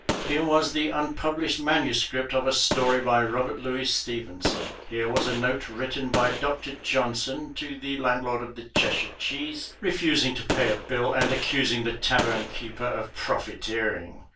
Here was the unpublished manuscript of a story by Robert Louis Stevenson. Here was a note written by Doctor Johnson to the landlord of the Cheshire Cheese, refusing to pay a bill and accusing the tavern keeper of profiteering.